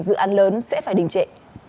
dự án lớn sẽ phải đình trệ